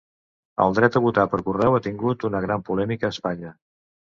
El dret a votar per correu ha tingut una gran polèmica a Espanya.